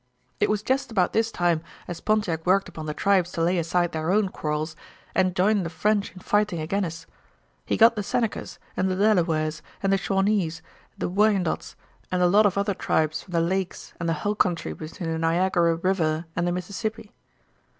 "It was jest about this time as Pontiac worked upon the tribes to lay aside their own quarrels and jine the French in fighting agin us. He got the Senecas, and the Delawares, and the Shawnees, the Wyandots, and a lot of other tribes from the lakes and the hull country between the Niagara River and the Mississippi.